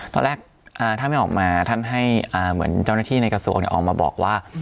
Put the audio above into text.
ตอนแรกถ้าไม่ออกมาท่านให้เหมือนเจ้าหน้าที่ในกระทรวงออกมาบอกว่า